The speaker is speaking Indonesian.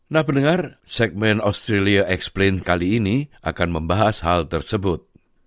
nah pendengar segmen australia explained kali ini akan membahas hal tersebut